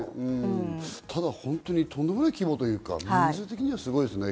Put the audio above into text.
ただ本当にとんでもない規模というか人数的にはすごいですね。